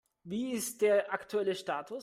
Wie ist der aktuelle Status?